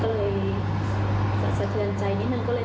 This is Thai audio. ก็เลยสะเทือนในนิดนึง